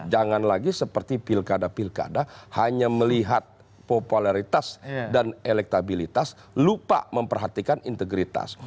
jangan lagi seperti pilkada pilkada hanya melihat popularitas dan elektabilitas lupa memperhatikan integritas